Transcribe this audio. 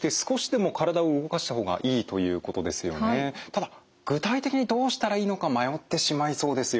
ただ具体的にどうしたらいいのか迷ってしまいそうですよ。